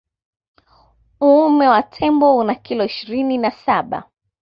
Uume wa tembo una kilo ishirini na saba